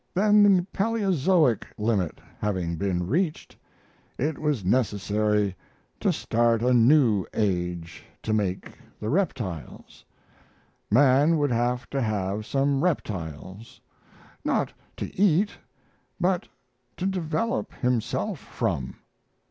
"Then, the Paleozoic limit having been reached, it was necessary to start a new age to make the reptiles. Man would have to have some reptiles not to eat, but to develop himself from.